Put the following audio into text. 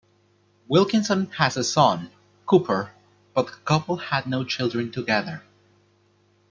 Wilkinson has a son, Cooper, but the couple had no children together.